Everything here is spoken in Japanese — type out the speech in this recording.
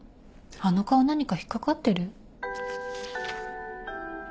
あの顔何か引っ掛かってる？